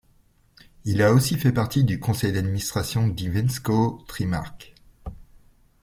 Il a aussi fait partie du conseil d’administration d'Invesco Trimark.